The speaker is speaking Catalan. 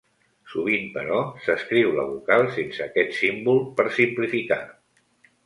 Sovint però, s'escriu la vocal sense aquest símbol per simplificar.